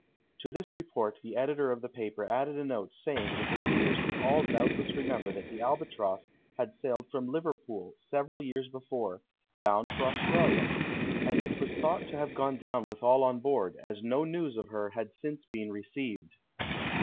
To this report the editor of the paper added a note saying that the readers would all doubtless remember that the Albatross had sailed from Liverpool several years before, bound for Australia, and it was thought to have gone down with all on board, as no news of her had since been received.